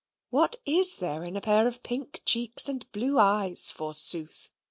What is there in a pair of pink cheeks and blue eyes forsooth?